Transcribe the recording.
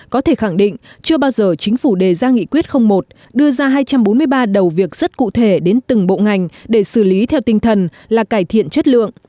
có thể khẳng định chưa bao giờ chính phủ đề ra nghị quyết một đưa ra hai trăm bốn mươi ba đầu việc rất cụ thể đến từng bộ ngành để xử lý theo tinh thần là cải thiện chất lượng